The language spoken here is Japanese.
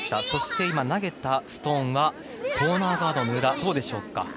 そして、投げたストーンはコーナーガードの裏どうでしょうか。